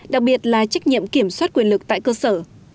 đặc biệt là trách nhiệm kiểm soát quyền lực tại cơ sở